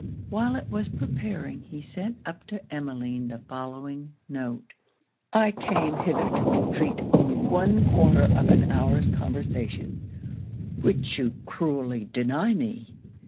While it was preparing he sent up to Emmeline the following note: 'I came hither to entreat only one quarter of an hour's conversation, which you cruelly deny me!